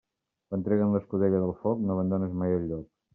Quan treguen l'escudella del foc, no abandones mai el lloc.